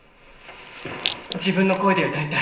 自分の声で歌いたい。